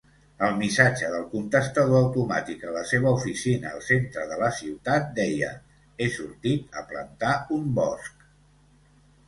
El missatge del contestador automàtic a la seva oficina al centre de la ciutat deia: "He sortit a plantar un bosc".